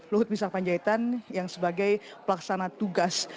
luhut misal panjaitan yang sebagai pelaksana tugas